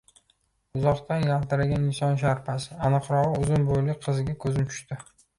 Uzoqdan yaltiragan inson sharpasi, aniqrog`i, uzun bo`yli qizga ko`zim tushdi